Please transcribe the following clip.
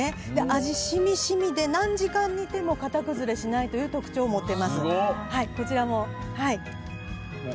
味がしみしみで何時間煮ても型崩れしないという特徴を持っています。